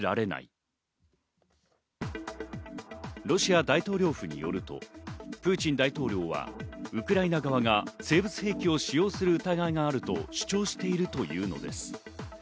ロシア大統領府によると、プーチン大統領はウクライナ側が生物兵器を使用する疑いがあると主張しているというのです。